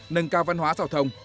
nâng cao văn hóa giao thông